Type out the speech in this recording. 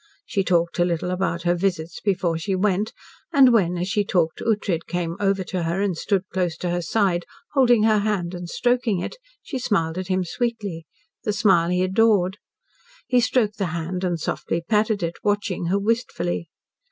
She talked a little about her visits before she went, and when, as she talked, Ughtred came over to her and stood close to her side holding her hand and stroking it, she smiled at him sweetly the smile he adored. He stroked the hand and softly patted it, watching her wistfully.